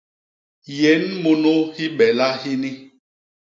Yén munu hibela hini.